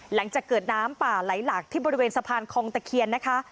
หลังจากเกิดน้ำป่าไหลหลักที่บริเวณสะพานคองตะเคียนนะคะ